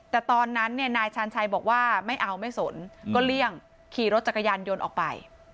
แต่ตอนนั้นเนี่ยนายชาญชัยบอกว่าไม่เอาไม่สนก็เลี่ยงขี่รถจักรยานยนต์ออกไป